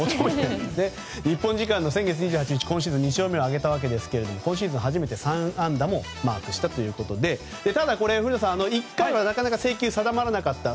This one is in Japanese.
日本時間先月２８日今週２勝目を挙げましたが今シーズン初めて３安打もマークしたということでただ、古田さん、１回はなかなか制球が定まらなかった。